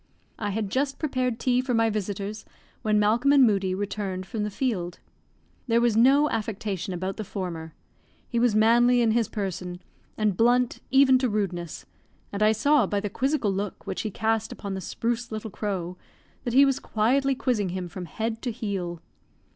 I had just prepared tea for my visitors, when Malcolm and Moodie returned from the field. There was no affectation about the former. He was manly in his person, and blunt even to rudeness, and I saw by the quizzical look which he cast upon the spruce little Crowe that he was quietly quizzing him from head to heel.